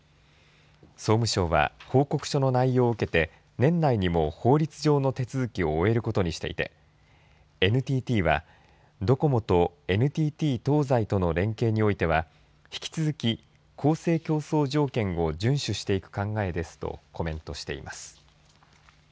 総務省は報告書の内容を受けて年内にも法律上の手続きを終えることにしていてＮＴＴはドコモとＮＴＴ東西との連携においては引き続き公正競争条件を順守していく考えですというコメントしています。